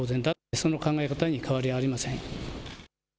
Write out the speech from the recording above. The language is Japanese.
その考え方に変わりはありません。